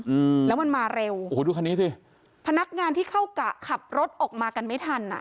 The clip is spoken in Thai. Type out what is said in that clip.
อืมแล้วมันมาเร็วโอ้โหดูคันนี้สิพนักงานที่เข้ากะขับรถออกมากันไม่ทันอ่ะ